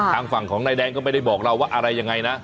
ทางฝั่งของนายแดงก็ไม่ได้บอกเราว่าอะไรยังไงนะ